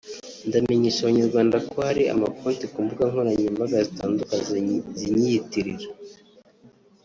"Ndamenyesha Abanyarwanda ko hari ama konti ku mbuga nkoranyambaga zitandukanye zinyiyitirira